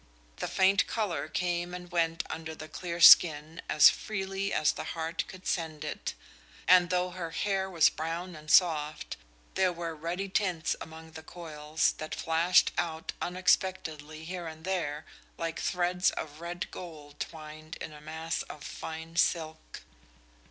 The faint color came and went under the clear skin as freely as the heart could send it, and though her hair was brown and soft, there were ruddy tints among the coils, that flashed out unexpectedly here and there like threads of red gold twined in a mass of fine silk.